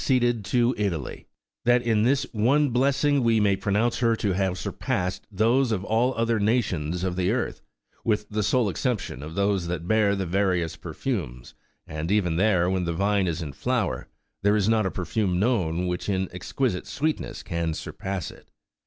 ceded to Italy, that in this one blessing we may pronounce her to have surpassed those of all other nations of the earth, with the sole exception of those that bear the various perfumes ? and even there, when the vine is in flower, there is not a per fume known which in exquisite sweetness can surpass it.